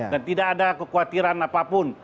dan tidak ada kekhawatiran apapun